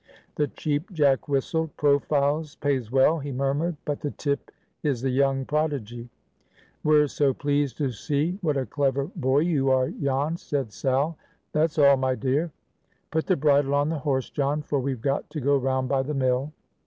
The Cheap Jack whistled. "Profiles pays well," he murmured; "but the tip is the Young Prodigy." "We're so pleased to see what a clever boy you are, Jan," said Sal; "that's all, my dear. Put the bridle on the horse, John, for we've got to go round by the mill."